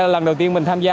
lần đầu tiên mình tham gia